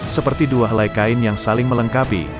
seperti dua helai kain yang saling melengkapi